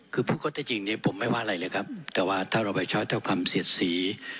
คือภูเข้าอยู่นี่ผมไม่ว่าอะไรเลยครับแต่ว่าถ้าเราไปใช้เดาคำเสียดสี